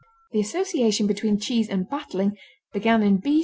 The association between cheese and battling began in B.